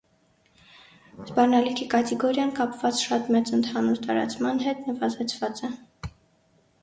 Սպառնալիքի կատեգորիան, կապված շատ մեծ ընդհանուր տարածման հետ, նվազեցված է։